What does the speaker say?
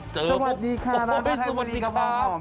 สวัสดีค่ะน้องน้องท่านพระอาทิตย์กำลังหอม